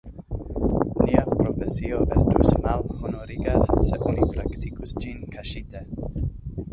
Nia profesio estus malhonoriga, se oni praktikus ĝin kaŝite.